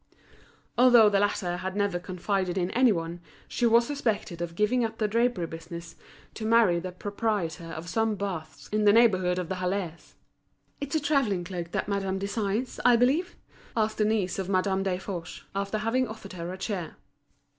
Although the latter had never confided in any one, she was suspected of giving up the drapery business to marry the proprietor of some baths in the neighbourhood of the Halles. "It's a travelling cloak that madame desires, I believe?" asked Denise of Madame Desforges, after having offered her a chair.